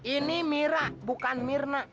ini mira bukan mirna